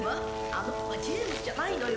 あの子はジェームズじゃないのよ